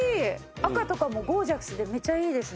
赤とかもゴージャスでめっちゃいいですね。